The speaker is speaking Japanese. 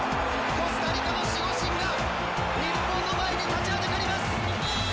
コスタリカの守護神が日本の前に立ちはだかります。